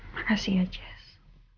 makasih ya jess